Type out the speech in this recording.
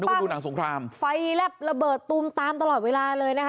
ไปดูหนังสงครามไฟแลบระเบิดตูมตามตลอดเวลาเลยนะคะ